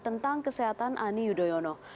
tentang kesehatan ani yudhoyono